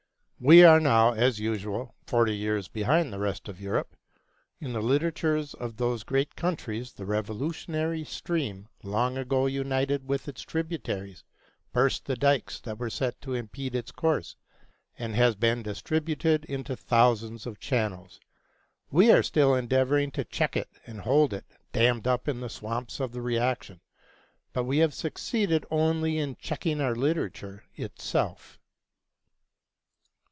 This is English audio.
We are now, as usual, forty years behind the rest of Europe. In the literatures of those great countries the revolutionary stream long ago united with its tributaries, burst the dikes that were set to impede its course, and has been distributed into thousands of channels. We are still endeavoring to check it and hold it dammed up in the swamps of the reaction, but we have succeeded only in checking our literature itself.